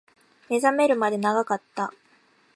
目覚めるまで長かった